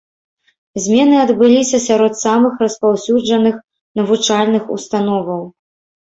Змены адбыліся сярод самых распаўсюджаных навучальных установаў.